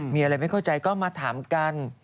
มีอะไรไม่เข้าใจก็มาถามกัน